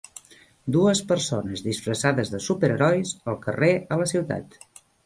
Dues persones disfressades de superherois al carrer a la ciutat.